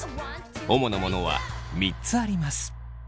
主なものは３つあります。